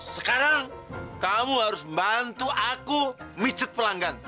sekarang kamu harus bantu aku micut pelanggan